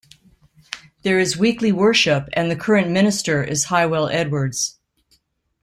There is weekly worship and the current minister is Hywel Edwards.